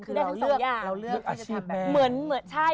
เราเลือกอาชีพแบบ